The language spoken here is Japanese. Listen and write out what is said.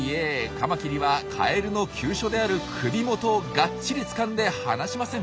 カマキリはカエルの急所である首元をがっちりつかんで離しません。